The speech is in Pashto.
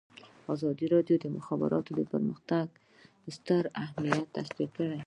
ازادي راډیو د د مخابراتو پرمختګ ستر اهميت تشریح کړی.